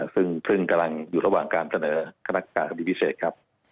ซึ่งกำลังอยู่ระหว่างการเสนอคณะการคดีพิเศษครับ